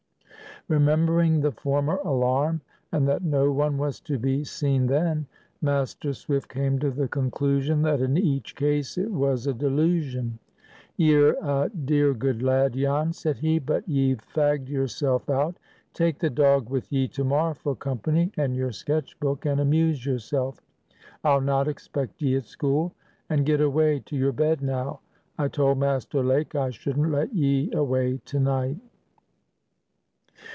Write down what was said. Remembering the former alarm, and that no one was to be seen then, Master Swift came to the conclusion that in each case it was a delusion. "Ye're a dear good lad, Jan," said he, "but ye've fagged yourself out. Take the dog with ye to morrow for company, and your sketch book, and amuse yourself. I'll not expect ye at school. And get away to your bed now. I told Master Lake I shouldn't let ye away to night."